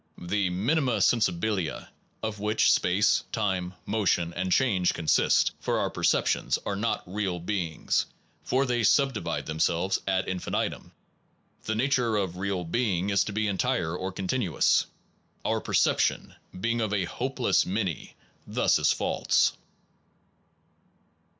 The minima sensibilia of which space, time, motion^ and change con sist for our perception are not real beings, for they subdivide themselves ad infinitum. The nature of real being is to be entire or con tinuous. Our perception, being of a hopeless many, thus is false.